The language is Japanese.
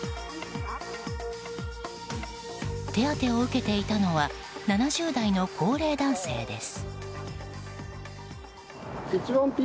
手当てを受けていたのは７０代の高齢男性です。